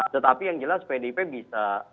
tetapi yang jelas pdp bisa mengajukan satu calon